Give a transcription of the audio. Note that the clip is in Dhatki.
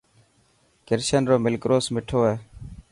ڪرشن رو ملڪروس مٺو هي.